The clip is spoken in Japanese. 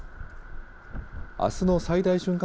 あすの最大瞬間